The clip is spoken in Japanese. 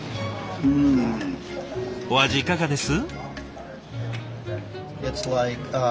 お味いかがです？